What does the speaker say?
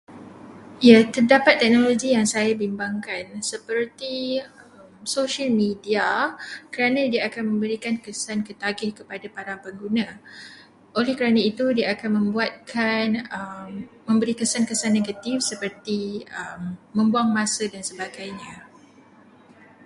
Ya, terdapat teknologi yang saya bimbangkan seperti sosial media kerana ia akan memberikan kesan ketagih kepada pengguna. Oleh kerana itu ia akan membuatkan- memberi kesan-kesan negatif seperti membuang masa dan sebagainya.